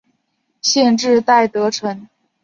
县治戴德城。